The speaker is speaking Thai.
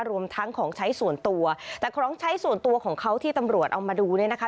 รวมทั้งของใช้ส่วนตัวแต่ของใช้ส่วนตัวของเขาที่ตำรวจเอามาดูเนี่ยนะคะ